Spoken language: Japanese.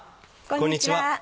こんにちは。